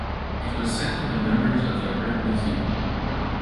It was sent to the members of The Heard Museum.